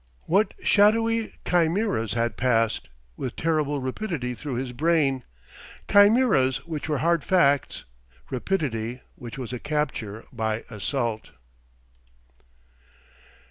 What shadowy chimeras had passed, with terrible rapidity through his brain chimeras which were hard facts; rapidity, which was a capture by assault!